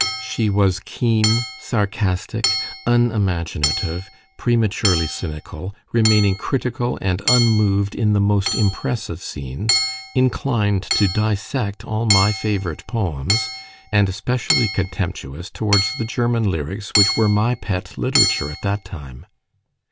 She was keen, sarcastic, unimaginative, prematurely cynical, remaining critical and unmoved in the most impressive scenes, inclined to dissect all my favourite poems, and especially contemptous towards the German lyrics which were my pet literature at that time.